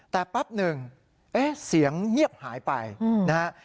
แต่แป๊บหนึ่งเอ๊ะเสียงเงียบหายไปนะฮะ